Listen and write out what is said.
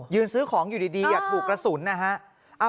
ซื้อของอยู่ดีถูกกระสุนนะฮะ